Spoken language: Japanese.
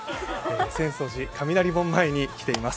浅草寺雷門前に来ています。